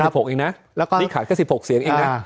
ขาดก็สิบหกอีกน่ะแล้วก็นี่ขาดก็สิบหกเสียงอีกน่ะ